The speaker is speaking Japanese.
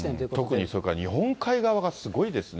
特にそれから日本海側がすごいですね。